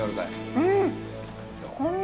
うん！